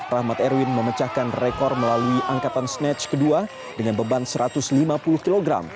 rahmat erwin memecahkan rekor melalui angkatan snatch kedua dengan beban satu ratus lima puluh kg